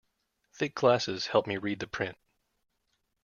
Thick glasses helped him read the print.